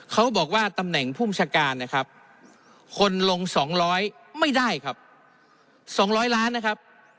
เขาบอกว่าตำแหน่งผู้มชาการคนลงสองร้อยไม่ได้ครับสองร้อยล้านนะครับ